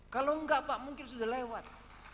kalau enggak pak mungkin sudah lewat